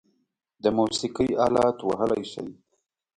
د موسیقۍ آلات وهلی شئ؟